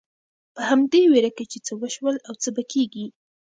په همدې وېره کې چې څه وشول او څه به کېږي.